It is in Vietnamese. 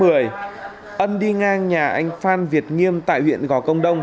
một giờ ngày một mươi chín tháng một mươi ân đi ngang nhà anh phan việt nghiêm tại huyện gò công đông